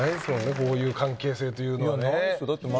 こういう関係性というのはね。